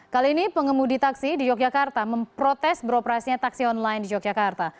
kali ini pengemudi taksi di yogyakarta memprotes beroperasinya taksi online di yogyakarta